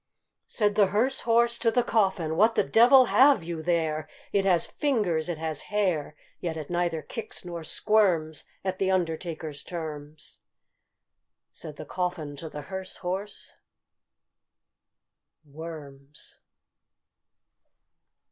Said the hearse horse to the coffin, "What the devil have you there? It has fingers, it has hair; Yet it neither kicks nor squirms At the undertaker's terms." Said the coffin to the hearse horse, "Worms!"